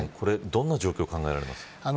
どんな状況が考えられますか。